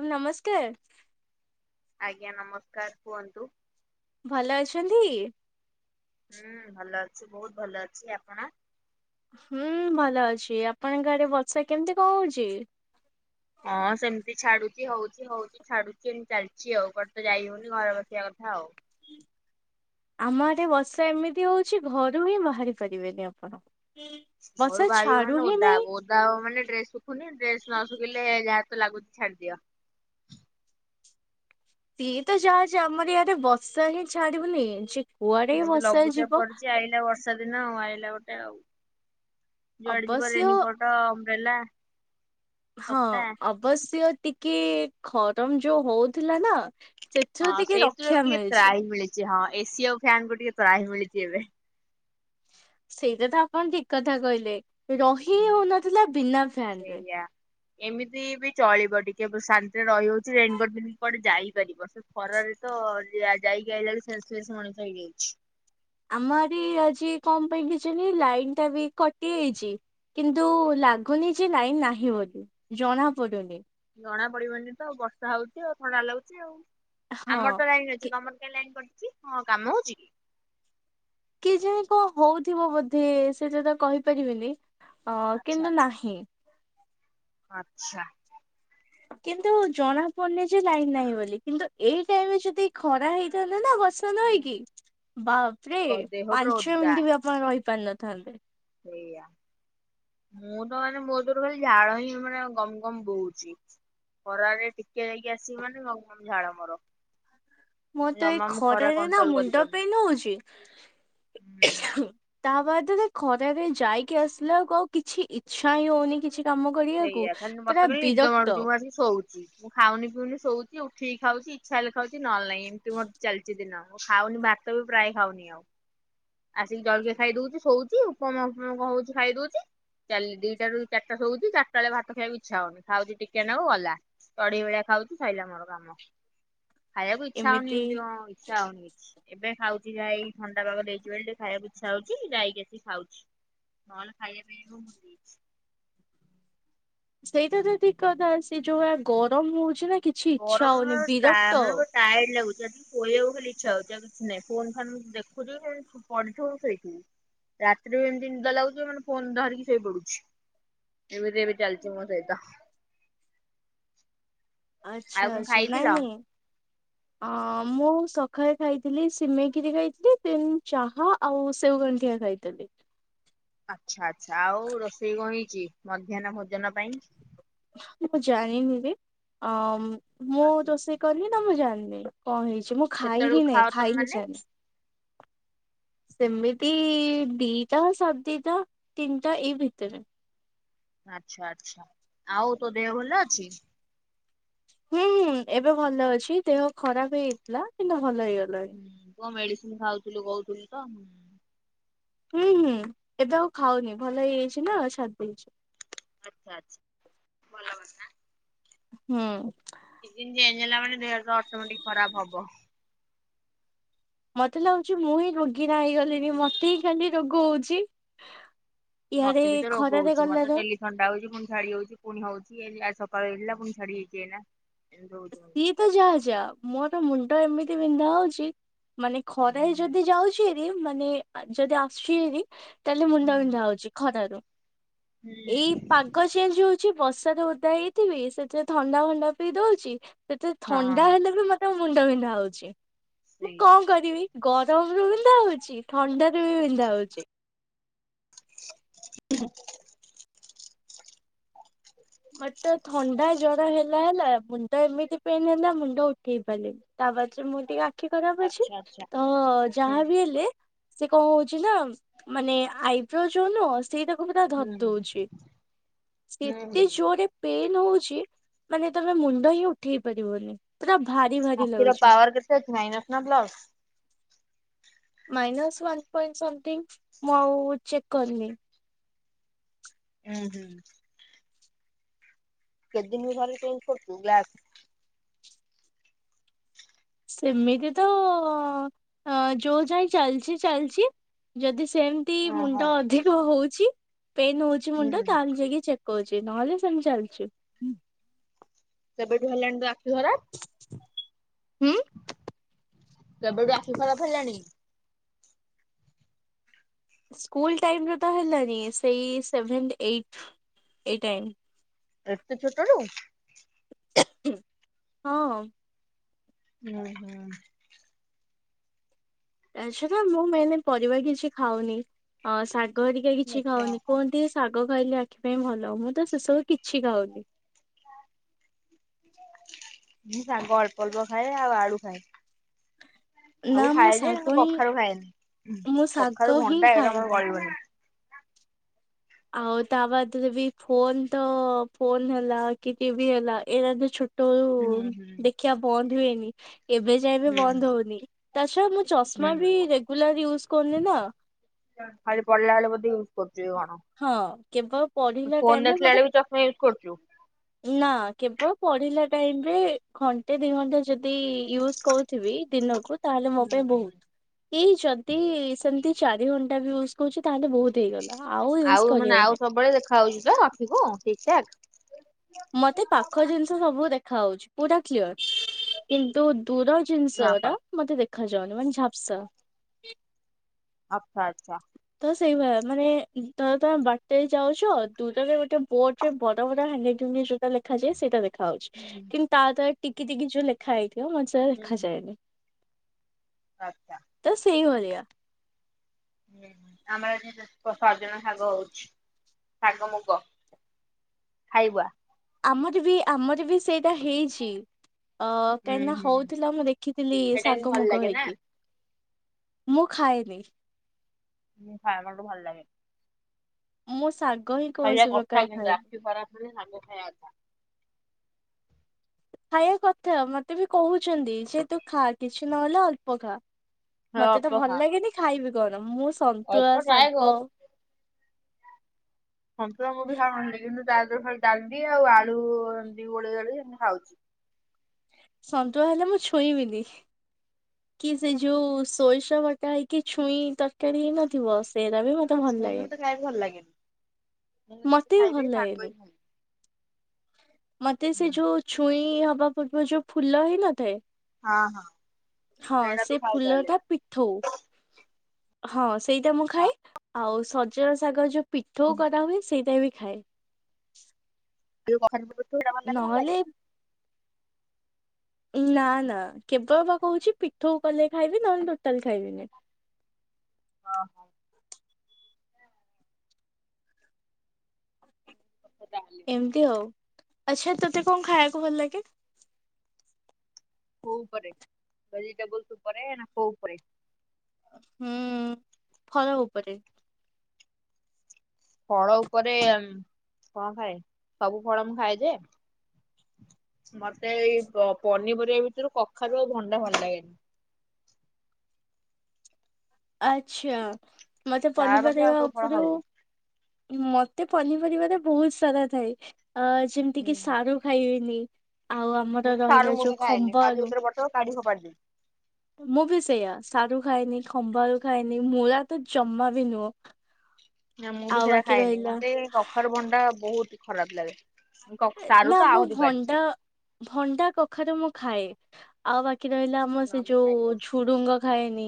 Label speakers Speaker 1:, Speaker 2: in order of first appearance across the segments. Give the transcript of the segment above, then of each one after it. Speaker 1: ଆ ନମସ୍କାର!
Speaker 2: ଆଜ୍ଞା ନମସ୍କାର! କୁହନ୍ତୁ
Speaker 1: ଭଲ ଅଛନ୍ତି
Speaker 2: ହୁଁ ଭଲ ଅଛି ବହୁତ ଭଲ ଅଛି ଆପଣ।
Speaker 1: ହୁଁ ଭଲ ଅଛି ଆପଣଙ୍କ ଗାଡେ ବର୍ଷା କେମିତି କଣ ହଉଛି
Speaker 2: ହଁ ସେମିତି ଛାଡୁଛି ହଉଛି ହଉଛି ଛାଡୁଛି ଏମ ଚାଲିଛି ଆଉ କଟେ ତ ଯାଇ ହଉନି ଘର ବସିବା କଥା ଆଉ
Speaker 1: ଆମ ଆଠେ ବର୍ଷା ଏମିତି ହଉଛି, ଘରୁ ହିଁ ବାହାରି ପାରିବେନି ଆପଣ ବର୍ଷା
Speaker 2: ମୋର ଭାଇ
Speaker 1: ଛାଡୁ
Speaker 2: ମାନ
Speaker 1: ହିଁ
Speaker 2: ଓଦା
Speaker 1: ନାହିଁ
Speaker 2: ହବ ଓଦା ଓଦା ହବ ମାନେ ଡ୍ରେସ ଶୁଖୁନି। ଡ୍ରେସ ନ ଶୁଖିଲେ ଯାହା ତ ଲାଗୁଛି ଛାଡିଦିଅ।
Speaker 1: ସିଏ ତ ଯାହା ଯାହା ଆମର ୟାଡେ ବର୍ଷା ହିଁ ଛାଡୁନି।
Speaker 2: ଏବେ ଲଘୁଚାପ ପଡୁଛି ଆଇଲା ବର୍ଷା ବର୍ଷା ଦିନ ଆଇଲା ଗୋଟେ ଆଉ, ଯୁଆଡେ ଯିବ
Speaker 1: ଅବଶ୍ୟ
Speaker 2: ରେନିକୋଟ ଅମ୍ବ୍ରେଲା।
Speaker 1: ହଁ
Speaker 2: ଛତା।
Speaker 1: ଅବଶ୍ୟ ଟିକେ ଖରମ ଯୋଉ ହଉଥିଲା ନା ସେଥିରୁ
Speaker 2: ହଁ
Speaker 1: ଟିକେ
Speaker 2: ସେଇଥିରୁ ଏବେ
Speaker 1: ରକ୍ଷା
Speaker 2: ଟିକେ
Speaker 1: ମିଳିଛି।
Speaker 2: ତ୍ରାହି ମିଳିଛି, ହଁ ଏ ସି ଆଉ ଫ୍ୟାନ୍ କୁ ଟିକେ ତ୍ରାହି ମିଳିଛି ଏବେ।
Speaker 1: ସେଇଟା ତ ଆପଣ ଠିକ କଥା କହିଲେ। ରହି ହିଁ
Speaker 2: ହୁଁ
Speaker 1: ହଉନଥିଲା ବିନା ଫ୍ୟାନ ରେ।
Speaker 2: ସେଇଆ ଏମିତି ବି ଚଳିବ ଟିକେ ବ ଶାନ୍ତିରେ ରହି ହଉଛି। ରେନିକୋଟ ପିନ୍ଧିକି କୁଆଡେ ଯାଇପାରିବ ସ ଖରାରେ ତ ଯା ଯାଇକି ଆଇଲା ବେଳକୁ ସେନ୍ସ ଲେସ୍ ମଣିଷ ହେଇଯାଉଛି।
Speaker 1: ଆମରି ଆଜି କଣ ପାଇଁ କେଜାଣି ଲାଇନ ଟା ବି କଟି ଯାଇଛି। କିନ୍ତୁ ଲାଗୁନି ଯେ ନାଇଁ ନାହିଁ ବୋଲି ଜଣା ପଡୁନି।
Speaker 2: ଜଣା ପଡିବନି ତ ବର୍ଷା ହଉଛି ଆଉ ଥଣ୍ଡା ଲାଗୁଛି ଆଉ।
Speaker 1: ହଁ।
Speaker 2: ଆମର ତ ଲାଇନ୍ ଅଚି।
Speaker 1: କି
Speaker 2: ସେ ତମର କାଇ ଲାଇନ୍ କରିଛି ହଁ କାମ ହଉଛି କି?
Speaker 1: କେଜାଣି କଣ ହଉଥିବ ବୋଧେ ସେଟା ତ କହିପାରିବିନି ଅ
Speaker 2: ଆଚ୍ଛା
Speaker 1: କିନ୍ତୁ
Speaker 2: ଆଚ୍ଛା।
Speaker 1: ନାହିଁ।
Speaker 2: ଆଚ୍ଛା,
Speaker 1: କିନ୍ତୁ ଜଣା ପଡୁନି ଯେ ଲାଇନ ନାହିଁ ବୋଲି କିନ୍ତୁ ଏଇ ଟାଇମରେ ଯଦି ଖରା ହେଇଥାଆନ୍ତା ନାଁ ବ ଷା ନାଇକି ବାପରେ
Speaker 2: ଦେହ ପୁରା
Speaker 1: ପାଞ୍ଚ
Speaker 2: ଓଦା
Speaker 1: ମିନିଟ ବି ଆପଣ ରହି ପାରିନଥାନ୍ତେ।
Speaker 2: ସେଇଆ, ମୁଁ ତ ମାନେ ମୋ ଦେହରୁ ଖାଲି ଝାଳ ହିଁ ମାନେ ଗମ ଗମ ବୋହୁଛି। ଖରାରେ ଟିକେ ଯାଇକି ଆସିବି ମାନେ ମ ଗମ୍ ଗମ୍ ଝାଳ ମୋର। ଜମା ମୁଁ ଖରା କଣ୍ଟ୍ରୋଲ କରିପାରୁନି।
Speaker 1: ନ ହଉଛି
Speaker 2: ହୁଁ।
Speaker 1: [unintelligible] ତା ବାଦ୍ ରେ ଖରାରେ ଯାଇକି ଆସିଲାକୁ ଆଉ କିଛି ଇଚ୍ଛା ହିଁ ହଉନି କିଛି କାମ କରିବାକୁ
Speaker 2: ସେଇଆ ଖାଲି
Speaker 1: ପୁରା
Speaker 2: ମତେ ଖାଲି ନିଦ ମାଡୁଛି
Speaker 1: ବିରକ୍ତ।
Speaker 2: ମୁଁ ଆସିକି ଶୋଉଛି। ମୁଁ ଖାଉନି ପିଉନି ଶୋଉଛି ଉଠିକି ଖାଉଛି ଇଚ୍ଛା ହେଲେ ଖାଉଛି ନହେଲେ ନାହିଁ ଏମିତି ମୋର ଚାଲିଛି ଦିନ ମୁଁ ଖାଉନି ବା ତ ବି ପ୍ରାୟ ଖାଉନି ଆଉ। ଆସିକି ଜଳକିଆ ଖାଇ ଦଉଛି ଶୋଉଛି ଉପମା କଣ ହଉଛି ଖାଇ ଦଉଛି। ଚାଲି ଦିଟାରୁ ଚିରିଟା ଶୋଉଛି ଚାରିଟା ବେଳେ ଭାତ ଖାଇବାକୁ ଇଚ୍ଛା ହଉନି। ଖାଉଛି ଟିକେ ନାକୁ ଗଲା। ଚଢେଇ ଭଳିଆ ଖାଉଚି ସରିଲା ମୋର କାମ। ଖାଇବାକୁ ଇଛା ହଉନି ଏମିତି ହଁ ଇଚ୍ଛା ହଉନି କିଛି ଏବେ ଖାଉଛି ଯାହା ଏଇ ଥଣ୍ଡା ପାାଗ ଦେଇଛି। [unintelligible] ଖାଇବାକୁ ଇଛା ହଉଛି ଯାଇକି ଆସି ଖାଉଛି ନହେଲେ ଖାଇବା ପାଇଁ ମୁଁ ଯାଇଛି।
Speaker 1: ସେଇଟା ତ ଠିକ କଥା ସେ ଯୋଉଆ ଗରମ ହଉଛି ନା କି
Speaker 2: ଗରମରେ [unintelligible] ଟାୟାର୍ଡ ଲାଗୁଛି ଜାକି ଶୋଇବାକୁ ଖାଲି ଇଛା ହଉଛି ଆଉ କିଛି ନାହିଁ ଫୋନ ଫାନ୍ ଦେଖୁଛୁ ପଅଲଠୁ ଶୋଇଥିବି ରାତିରେ ବି ଏମିତି ନିଦ ଲାଗୁଛିି ମାନେ ଫୋନ ଧରିକି ଶୋଇ ପଡୁଛି। ଏମିତି ଏବେ ଚାଲିଛି ମୋ ସହିତ। ଆଉ
Speaker 1: ଆଚ୍ଛା
Speaker 2: କଣ
Speaker 1: ଆଛା
Speaker 2: ଖାଇଥିଲ?
Speaker 1: ନାଇଁ ନାଇଁ ଅ ମୁଁ ସକାଳେ ଖାଇଥିଲି ସିମେଇ ଖିରି ଖାଇଥିଲି ଦେନ୍ ଚାହା ଆଉ ସେଉ ଗାଣ୍ଠିଆ ଖାଇଥିଲି।
Speaker 2: ଆଚ୍ଛା ଆଚ୍ଛା ଆଉ ରୋଷେଇ କଣ ହେଇଛି ମଧ୍ୟାହ୍ନ ଭୋଜନ ପାଇଁ?
Speaker 1: ମୁଁ ଜାଣିନି ରେ। ଅ-ଅ-ଅ ମୋ
Speaker 2: ଆଚ୍ଛା
Speaker 1: ରୋଷେଇ କରିନି ନା ମୁଁ ଜାଣିନିି। କଣ ହେଇଛି ମୁଁ ଖାଇହିଁ
Speaker 2: କେତେବେଳକୁ
Speaker 1: ହି
Speaker 2: ଖାଅ
Speaker 1: ନାଇଁ
Speaker 2: ତମେ
Speaker 1: ଖାଇ
Speaker 2: ମାନେ
Speaker 1: [unintelligible] ସେମିତି-ଇ-ଇ-ଇ ଦିଟା ସାଢେ ଦିଟା ତିନିଟା ଏଇ ଭିତରେ।
Speaker 2: ଆଚ୍ଛା ଆଚ୍ଛା ଆଉ ତୋ ଦେହ ଭଲ ଅଛି?
Speaker 1: ହୁଁ ହୁଁ ଏବେ ଭଲ ଅଛି। ଦେହ ଖରାପ ହେଇଯାଇଥିଲା କିନ୍ତୁ ଭଲ ହେଇଗଲା।
Speaker 2: କଣ ମେଡିସିନ ଖାଉଥିଲୁ କହୁଥିଲୁ ତ।
Speaker 1: ହୁଁ ହୁଁ ଏବେ ଆଉ ଖାଉନି ଭଲ ହେଇଯାଇଛି ନା ଛାଡି ଦେଇଛି।
Speaker 2: ଆଚ୍ଛା ଆଛା ଭଲ କଥା।
Speaker 1: ହୁଁ,
Speaker 2: ସିଜିନ ଜେଞ ହେଲା ମାନେ ଦେହ ପାହ ଅଟୋମେଟିକ ଖରାପ ହବ।
Speaker 1: ମତେ ଲାଗୁଛି ମୁଁ ହିଁ ରୋଗୀଣା ହେଇଗଲିଣିି ମତେ ହିଁ ଖାଲି ରୋଗ ହଉଛି। ଇଆଡେ
Speaker 2: ମତେ ବି ତ ରୋଗ
Speaker 1: ଖରାାରେ
Speaker 2: ହଉଛି ମତେ
Speaker 1: ଗଲାାର
Speaker 2: ଡେଲି ଥଣ୍ଡା ହଉଛି ପୁଣି ଛାଡି ହଉଛି ପୁଣି ହଉଛି ସକାଳ ହେଳିଲା ପଣି ଛାଡି ହେଇଛି ଏ ଏମିତି ହଉଛି
Speaker 1: କିଏ ତ ଯାହା ଯାହା ମୋର ମୁଣ୍ଡ ଏମିତି ବିନ୍ଧା ହଉଛି ମାନେ ଖରାାରେ ଯଦି ଯାଉଛି ମାନେ ଯଦି ଆସୁଛି ତାହେଲେ ମୁଣ୍ଡା
Speaker 2: ହୁଁ
Speaker 1: ବିଣ୍ଡା ହଉଛି ଖରାରୁ ଏଇ
Speaker 2: ହୁଁ
Speaker 1: ପା ପକ ଚେଞ୍ଜ ହଉଛି ବର୍ଷାାରେ ଓଦା ହେଇଥିବି ସେଥିରେ ଥଣ୍ଡା ଫଣ୍ଡା ପିଇ ଦଉଛି? ସେତେ ଥଣ୍ଡା
Speaker 2: ହଁ
Speaker 1: ହେଲେ ବି ମତେ ମୁଣ୍ଡ ବିନ୍ଧା ହଉଛି ମୁଁ
Speaker 2: ସେଇ
Speaker 1: କଣ କରିବି? ଗରମ ରୁ ବିନ୍ଧା ହଉଛି ଥଣ୍ଡା ରୁ ବି ବିନ୍ଧା ହଉଛି?
Speaker 2: ହୁଁ।
Speaker 1: ମତେ ଥଣ୍ଡା ଜ୍ର ହେଲା ହେଲା ମୁଣ୍ଡ ଏମିତି ପେନ୍ ହେଲା ମୁଣ୍ଡ ଉଠେଇ ପାରିଲିନି। ତା ପାଦରେ ମୁଁ ଟିକେ ଆଖି ଖରାପ ଅଛି
Speaker 2: ଆଚ୍ଛା ଆଚ୍ଛା
Speaker 1: ତ
Speaker 2: ହୁଁ
Speaker 1: ଯାହା ବିି ହେଲେ ସେ କଣ ହଉଛି ନା ମାନେ ଆଇବ୍ରୋ ଯୋଉନ ସେଇଟାକୁ ମୁ ତା ଧରି
Speaker 2: ହୁଁ
Speaker 1: ଦଉଛି ସେ
Speaker 2: ହୁଁ ହୁଁ
Speaker 1: ପେନ୍ ହଉଛି ମାନେ ତମେ ମୁଣ୍ଡ ହିଁ ଉଠେଇ ପାରିବନି। ପୁରା ଭାରି ଭ
Speaker 2: ଆଖିର ପାୱାର କେତେ ଅଛି ମାଇନସ୍ ନା ପ୍ଲସ?
Speaker 1: ମାଇସ୍ ପଣ୍ଟଥିଙ୍ଗ ମୁଁ ଆଉ ଚେକ୍ କରିନି।
Speaker 2: ହୁଁ ହୁଁ। କେତେ ଦିନ ବି ଘରେ ଚେଞ୍ଜ କରୁ ଗ୍୍ୟାସ।
Speaker 1: ସେମିତି ତ ଯୋଉ ଯାଇ ଚାଲିଛି ଚାଲିଛି। ଯଦି ସେମିତି
Speaker 2: ଓହୋ
Speaker 1: ମୁଣ୍ଡ ଅଧିକ ହଉଛି ପେନ ହଉଛି
Speaker 2: ହୁଁ
Speaker 1: ମୁଣ୍ଡ
Speaker 2: ହୁଁ
Speaker 1: ତାହେଲେ ଯାଇକି ଚକ୍ କହୁଛି ନହେଲେ ସେମି ଚାଲିଛୁ।
Speaker 2: ସେବେଠୁ ହେଲାଣି ତୁ ଆଖି ଧରା।
Speaker 1: ହୁଁ।
Speaker 2: କେବେଠୁ ଆଖି ଖରାପ ହେଲାଣି?
Speaker 1: ସ୍କୁଲ ଟାଇମ୍ର ତ ହେଲାନି ସେଇ ସେଭେନ୍ ଏଇଟ୍ ଏଇ ଟାଇମ୍।
Speaker 2: ଏତୁ ଛୋଟରୁୁ।
Speaker 1: ହଁ।
Speaker 2: ହୁଁ ହୁଁ।
Speaker 1: ଆଛଟା ମୁଁ ମାନେ ପରିବା କିଛି ଖାଉନି ଶାଗ ହେରିକା କିଛି
Speaker 2: ଆଚ୍ଛା
Speaker 1: ଖାଉନି କୁହନ୍ତି ଶାଗ ଖାଇଲି ଆଖି ପାଇଁ ଭଲ ମୁଁ ତ ସେସବୁ କିଛି ଖାଉନି।
Speaker 2: ହଁ ସାଙ୍ଗ ଅଳ୍ପ ଅଳ୍ପ ଖାଏ ଆଉ ଆଳୁ ଖାଏ।
Speaker 1: ନା
Speaker 2: ସବୁ
Speaker 1: ମୁଁ
Speaker 2: ଖାଏଯାଏ କିନ୍ତୁ
Speaker 1: ଶାଗ ହିଁ
Speaker 2: କଖାରୁ ଖାଇଏନି
Speaker 1: ମୁଁ ଶାଗ
Speaker 2: କଖାରୁ
Speaker 1: ହିଁ
Speaker 2: ଘଣ୍ଟା ଏ ଆମର
Speaker 1: ଖାଏନି।
Speaker 2: ଗଳିବନି।
Speaker 1: ଆଉ ତା ବାଦରେ ବି ଫୋନ ତ ଫୋନ ହେଲା କି ଟିଭି ହେଲା ଏଇଟଛୁ
Speaker 2: ହୁଁ ହୁଁ।
Speaker 1: ବନ୍ଦ ହୁଏନି ଏବେ ଯାଇବେ
Speaker 2: ହୁଁ
Speaker 1: ବନ୍ଦ ହଉନି ତାଛ ମୁଁ ଚଷମା ବି
Speaker 2: ହୁଁ
Speaker 1: ରେଗୁଲାର ୟୁଜ୍ କରୁନି ନା।
Speaker 2: ଖାଲି ପିଲାବେେ ବଧେ ୟୁଜ୍ କରୁଛୁ କି କଣ?
Speaker 1: ହଁ କେବଳ ପଢିଲା
Speaker 2: ଫୋନ
Speaker 1: ଟାଇମରେ
Speaker 2: ଦେଖିଲା
Speaker 1: ମତେ
Speaker 2: ବେଳେ ବି ଚଷମା ୟୁଜ କରୁଛୁ?
Speaker 1: ନା କେବଳ ପଢିଲା ଟାଇମରେ ଘଣ୍ଟେ ଦି ଘଣ୍ଟେ ଯଦି ୟୁଜ ିବ ଦିନକୁ ତାହେଲେ ମୋ ପାଇଁ ବହୁତ। ଏଇ ଯଦି ସେମିତି ଚାରି ଘଣ୍ଟା ବି ୟୁଜ କୁଛି ତାହେଲେ ବହୁତ ହେଇଗଲା। ୟୁଜ
Speaker 2: ଆଉ ମାନେ
Speaker 1: କରିବାର
Speaker 2: ଆଉ
Speaker 1: ନାହିଁ।
Speaker 2: ସବୁବେଳେ ଦେଖା ହାଉଉଛି ତ ଆଖି କ ଠିକ ଠାକ?
Speaker 1: ମତେ ପାଖ ଜିନିଷ ସବୁ ଦେଖା ହଉଛି ପୁରା କ୍ଲିଅର କିନ୍ତୁ ଦୂର ଜିନିଷ ଟା
Speaker 2: ଠାକ?
Speaker 1: ମତେ ଦେଖାଯାଉନି ମାନେ ଝାପସା।
Speaker 2: ଆଚ୍ଛା ଆଚ୍ଛା।
Speaker 1: ତ ସେଇଭଳିଆ ମାନେ ତ ତମେ ବାରଟାରେ ଯାଉଛ ଦୁଟରେ ଗୋଟେ ବୋଟ ରେ ବଡ ବଡ ଲେଖାଯାଏ ସେଟା ଦେ ଦେଖା ହାଉଛି
Speaker 2: ହୁଁ
Speaker 1: କିନ୍ତୁ ତା ଦାରା ଟିକି ଟିକି ଯୋଉ ଲେଖା ହେଇଥିବ ମୋତ
Speaker 2: ହୁଁ
Speaker 1: ଲେଖାଯାଏନି।
Speaker 2: ଆଚ୍ଛା।
Speaker 1: ତ ସେଇ ଭଳିଆ।
Speaker 2: ହୁଁ ଆମର ଆଜି ସଜନା ଶାଗ ହଉଚି ଶାଗ ମୁଗ। ଖାଇବୁ ଆ।
Speaker 1: ଆମର ବି ଆମର ବି ସେଇଟା ହେଇଛି। ଅ
Speaker 2: ହୁଁ
Speaker 1: କାହିଁକି ନା
Speaker 2: ହୁଁ
Speaker 1: ହଉଥିଲା ମୁଁ ଦେଖିଥିଲି
Speaker 2: ସେଇଟା କିନ୍ତୁ
Speaker 1: ଶାଗ
Speaker 2: ଭଲ
Speaker 1: ମୁଗ
Speaker 2: ଲାଗେ ନା?
Speaker 1: ହେଇକି। ମୁଁ ଖାଇନି।
Speaker 2: ହୁଁ ଖାଏ ମତେ ଭଲ ଲାଗେ।
Speaker 1: ମୁଁ ଶାଗ ହିଁ କୌଣସି ପ୍ରକାର ଖାଏନି।
Speaker 2: ଖୀ ଖରାପ ହେଲେ ଶାଗ ଖାଇବା କଥା।
Speaker 1: ଖାଇବା କଥା ମତେ ବି କହୁଛନ୍ତି ସେ ତୁ ଖା କିଛି ନହେଲେ ଅଳ୍ପ ଖା। ମତେ
Speaker 2: ଅଳ୍ପ
Speaker 1: ତ ଭଲ
Speaker 2: ଖା।
Speaker 1: ଲାଗେନି ଖାଇବି କଣ ମୁଁ ସନ୍ତୁଳା
Speaker 2: ଅଳ୍ପ ଟ୍ରାଏ କର
Speaker 1: ଶାଗ।
Speaker 2: ସନ୍ତୁଳା ମୁଁ ବି ଖାଉନଥିଲି କିନ୍ତୁ ତା ଦେହରୁ ଖାଲି ଡାଲି ଆଉ ଆଳୁଏମିତି ଗୋଳେଇ ଗାଳି ଏମତି ଖାଉଚି।
Speaker 1: ସନ୍ତୁଳା ହେଲେ ମୁଁ ଛୁଇଁବିନି। କି ସେ ଯୋଉ ସୋରିଷ ବଟା ହେଇକି ଛୁଇଁ ତରକାରୀ ହେଇ ନଥିବ ସେରା ବି ମ ତେ ଭଲ
Speaker 2: ଛୁଇଁ
Speaker 1: ଲାଗେନି।
Speaker 2: ମତେ ଖାଇବାକୁ ଭଲ ଲାଗେନି ମୁଁ ଯଦି
Speaker 1: ମତେ ବି
Speaker 2: ଖାଇବି
Speaker 1: ଭଲ
Speaker 2: ଶାଗ ହିଁ
Speaker 1: ଲାଗେନି।
Speaker 2: ଖାଇବି।
Speaker 1: ମତେ ସେ ଯୋଉ ଛୁଇଁ ହବା ପୂର୍ବ ଯୋଉ ଫୁଲ ହେଇ ନଥାଏ।
Speaker 2: ହଁ ହଁ
Speaker 1: ହଁ
Speaker 2: ସେଇଟା ତୁ
Speaker 1: ସେ
Speaker 2: ଖାଉ ତାହେଲେ
Speaker 1: ଫୁଲଟା ପିଠଉ। ହଁ ସେଇଟା ମୁଁ
Speaker 2: ହଁ
Speaker 1: ଖାଏ ଆଉ ସଜନା ଶାଗର ଯୋଉ ପିଠଉ କରା ହୁଏ ସେଇଟାବି ବି ଖାଏ।
Speaker 2: ଏଉ କଥା ବ [inaudible]
Speaker 1: ନହେଲେ ନା ନା କେବଳ ବା କହୁଛି ପିଠ କଲେ ଖାଇବି ନହେଲେ ଟୋଟାଲ ଖାଇବିନି।
Speaker 2: ହଁ ହଁ। ପତ ଦା [inaudible]
Speaker 1: ଏମିତି ଆଉ ଆଚ୍ଛା ତୋତେ କଣ ଖାଇବାକୁ ଭଲ ଲାଗେ।
Speaker 2: କଉ ଉପରେ ଭେଜିଟେବଲସ ଉପରେ କଉ ଉପରେ।
Speaker 1: ହୁଁ ଫଳ ଉପରେ।
Speaker 2: ଫଳ ଉପରେ କଣ ଖାଏ ସବୁ ଫଳ ମୁଁ ଖାଏ ଯେ ମତେ ଏଇ ପ ପନିପରିବା ଭିତରୁ କଖାରୁ ଆଉ ଭଣ୍ଡା ଭଲ ଲାଗେନି।
Speaker 1: ଆଚ୍ଛା ମତେ
Speaker 2: ତା ବାକି ଆଉ
Speaker 1: ପନିପରିବା
Speaker 2: ସବୁ ଫଳ
Speaker 1: ଉପରୁ
Speaker 2: ଖାଇଦେବି
Speaker 1: ମତେ ପନିପରିବାରେ ବହୁତ ସାରା ଥାଏ ଅ ଯେମିତି
Speaker 2: ହୁଁ।
Speaker 1: କି ସାରୁ ଖାଇବିନି ଆଉ ଆମର ରହିଲା ଯୋଉ ଖମ୍ବଆଳୁ।
Speaker 2: କାଢିକି ଫୋପାଡ଼ି ଦେବି।
Speaker 1: ମୁଁ ବି ସେଇୟା ସାରୁ ଖାଏନି ଖମ୍ବଆଳୁ ଖାଏନି ମୂଳା ତ ଜମା ବି ନୁହଁ।
Speaker 2: ନା ମୁଁ ବି
Speaker 1: ଆଉ
Speaker 2: ସେଟା
Speaker 1: ବାକି
Speaker 2: ଖାଏନି
Speaker 1: ରହିଲା
Speaker 2: ମତେ କଖାରୁ ଭଣ୍ଡା ବହୁତ ଖରାପ ଲାଗେ। କ ସାରୁ
Speaker 1: ନା
Speaker 2: ତ
Speaker 1: ମୁଁ
Speaker 2: ଆହୁରି
Speaker 1: ଭଣ୍ଡା
Speaker 2: ବାଜ୍ୟେ।
Speaker 1: ଭଣ୍ଡା କଖାରୁ ମୁଁ ଖାଏ ଆଉ ବାକି ରହିଲା ଆମ ସେ ଯଉ ଝୁଡୁଙ୍ଗ ଖାଏନି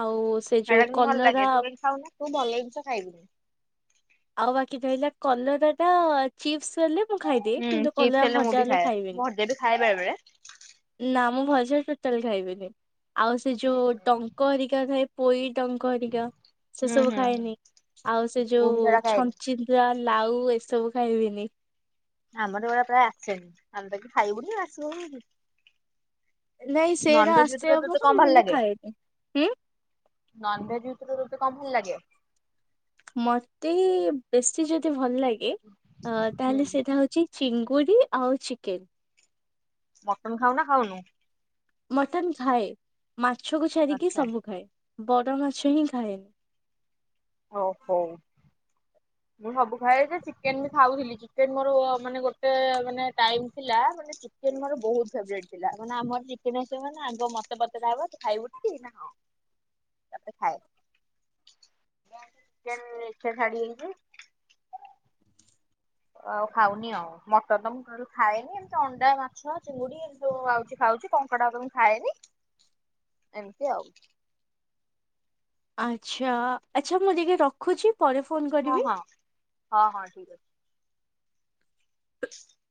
Speaker 1: ଆଉ ସେ ଯୋଉ
Speaker 2: ଖାଇବାକୁ ହିଁ ଭଲ ଲାଗେ
Speaker 1: କଲରା
Speaker 2: ତୁ କେନ୍ତି ଖାଉନା ତୁ ଭଲ ଜିନିଷ ଖାଇବୁନି।
Speaker 1: ଆଉ ବାକି ରହିଲା କଲରା ଟା ଚିପ୍ସ ହେଲେ ମୁଁ ଖାଇଦିଏ
Speaker 2: ହୁଁ
Speaker 1: କିନ୍ତୁ
Speaker 2: ଚିପ୍ସ
Speaker 1: କଲରା
Speaker 2: ମୁଁ
Speaker 1: ଭଜା
Speaker 2: ବି
Speaker 1: ହେଲେ
Speaker 2: ଖାଏ
Speaker 1: ଖାଇବିନି।
Speaker 2: ଭଜା ବି ଖାଏ ବେଳେ ବେଳେ।
Speaker 1: ନା ମୁଁ ଭଜା ଟୋଟାଲ ଖାଇବିନି ଆଉ ସେ
Speaker 2: ହୁଁ
Speaker 1: ଯୋଉ ଟଙ୍କ ହରିକା ଥାଏ। ପୋଇ ଟଙ୍କହରିକା ସେ
Speaker 2: ହୁଁ
Speaker 1: ସବୁ
Speaker 2: ହୁଁ
Speaker 1: ଖାଏନି ଆଉ ସେ
Speaker 2: ମୁଁ ବି
Speaker 1: ଯୋଉ
Speaker 2: ସେଗୁଡା ଖାଏନି।
Speaker 1: ଚିନ୍ଦିରା ଲାଉ ଏସବୁ ଖାଇବିନି।
Speaker 2: ଆମର ବା ଏରା ପ୍ରାୟ ଆସେନି ଆମେତ ଏଠି ଖାଇବୁନି ଆସିବ କଣ ପାଇଁ।
Speaker 1: ନାଇଁ ସେଇଟା ଆସେ
Speaker 2: ଭିତରୁ ତତେ
Speaker 1: ଆମର
Speaker 2: କଣ
Speaker 1: ମୁଁ
Speaker 2: ଭଲ
Speaker 1: କିନ୍ତୁ ଖାଏନି ଉଁ
Speaker 2: ନନ ଭେଜ୍ ଉପରେ ତତେ କଣ ଭଲ ଲାଗେ?
Speaker 1: ମତେ ବେଶୀ ଯଦି ଭଲ ଲାଗେ ଅଂ ତାହେଲେ ସେଇଟା ହଉଚି ଚିଙ୍ଗୁଡ଼ି ଆଉ ଚିକେନ୍।
Speaker 2: ମଟନ୍ ଖାଉ ନା ଖାଉନୁ?
Speaker 1: ମଟନ ଖାଏ। ମାଛକୁ ଛାାରିକି
Speaker 2: ଆଚ୍ଛା
Speaker 1: ସବୁ ଖାଏ। ବଡ ମାଛ ହିଁ ଖାଏ।
Speaker 2: ଓହୋ! ମୁଁ ସବୁ ଖାଏ ଯେ ଚିକେନ ବି ଖାଉଥିଲି। ଚିକେନ ମୋର ମାନେ ଗୋଟେ ମାନେ ଟାଇମ ଥିଲା ମାନେ ଚିକେନ ମୋର ବହୁତ ଫେରେଟ ଥିଲା। ମାନେ ଆମର ଚିକେନ ଆସ ମାନେ ଆଗ ମତେ ପଚାର ହବ ଖାଇବୁ ଖଏ [inaudible] [unintelligible] ଚିକେନ ଛାଡିହେଇଛି ଆଉ ଖାଉନି ଆଉ। ମଟନ ତ ମୁଁ ଆଗରୁ ଖାଏନି ଏମିତି ଅଣ୍ଡା ମାଛ ଚିଙ୍ଗୁଡି ଏମ ଯୋଉ ଆଉଛି ଖାଉଛି କଙ୍କଡା ମୁଁ ଖାଏନି। ଏମିତି ଆଉ।
Speaker 1: ଆଚ୍ଛା ଆଚ୍ଛା ମୁଁ ଟିକେ ରଖୁଛି। ପରେ ଫୋନ୍
Speaker 2: ହଁ ହଁ ହଁ ହଁ ଠିକ ଅଛି।